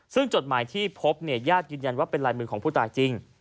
ซึ่งจดหมายที่พบเนี่ยญาติยืนยันว่าเป็นลายมือของผู้ตายจริง